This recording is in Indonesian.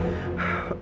aku sekarang udah pasrah